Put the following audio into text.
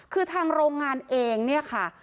คือทางโรงงานเองเนี่ยค่ะ